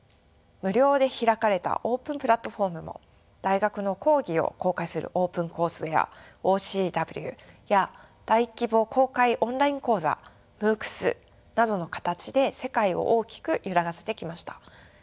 無料で開かれたオープンプラットフォームも大学の講義を公開するオープンコースウェアＯＣＷや大規模公開オンライン講座ＭＯＯＣｓなどの形で世界を大きく揺らがせてきました。